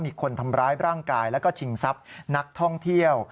มีคนทำร้ายร่างกายแล้วก็ชิงทรัพย์นักท่องเที่ยว